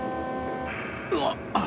うわっ。